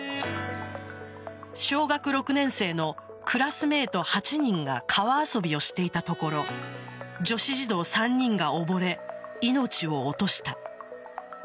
小学６年生のクラスメイト８人が川遊びをしていたところ女子児童３人が溺れ命を落とした。